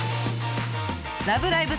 「ラブライブ！